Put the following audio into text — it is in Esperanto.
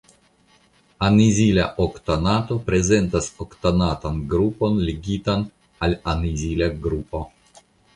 Anizila oktanato prezentas oktanatan grupon ligitan al anizila grupo.